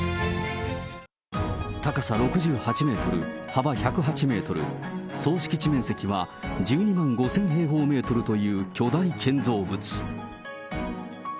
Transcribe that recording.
高さ６８メートル、幅１０８メートル、総敷地面積は１２万５０００平方メートルという巨大建造物。